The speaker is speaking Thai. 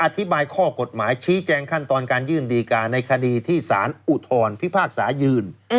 อธิบายข้อกฎหมายชี้แจงขั้นตอนการยื่นดีการในคดีที่สารอุทธรพิพากษายืน